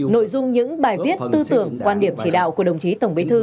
nội dung những bài viết tư tưởng quan điểm chỉ đạo của đồng chí tổng bí thư